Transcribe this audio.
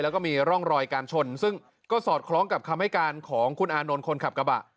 แล้วก็มีร่องรอยการชนซึ่งก็สอดคล้องกับคำให้การของคุณอานนท์คนขับกระบะ